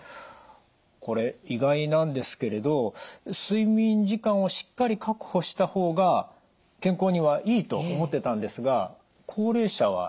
これ意外なんですけれど睡眠時間をしっかり確保した方が健康にはいいと思ってたんですが高齢者は駄目だということですね？